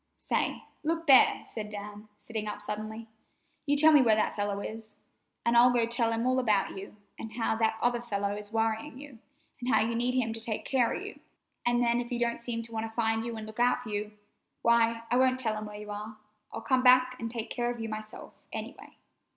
"Say, look here!" said Dan, sitting up suddenly. "You tell me where that fellow is, an' I'll go tell him all about you, and how that other fellow is worrying you, and how you need him to take care o' you; an' then if he don't seem to want to find you and look out for you, why, I won't tell him where you are. I'll come back and take care of you myself, any way.